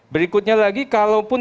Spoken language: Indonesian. berikutnya lagi kalaupun